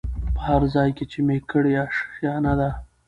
په هرځای کي چي مي کړې آشیانه ده